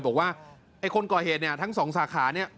บอกว่าไอ้คนก่อเหตุเนี่ยทั้งสองสาขาเนี่ย